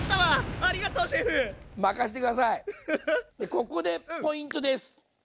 ここでポイントです！